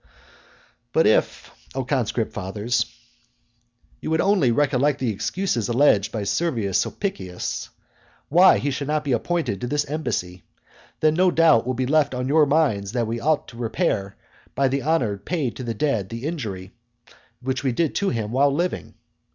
IV. But if, O conscript fathers, you would only recollect the excuses alleged by Servius Sulpicius why he should not be appointed to this embassy, then no doubt will be left on your minds that we ought to repair by the honour paid to the dead the injury which we did to him while living.